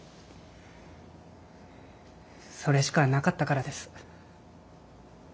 それしかなかったからです。